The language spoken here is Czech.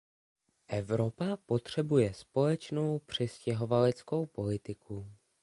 Evropa potřebuje společnou přistěhovaleckou politiku.